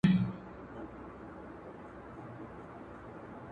داســي خــو نــه ده چــي زابــل تــــه ځــــي.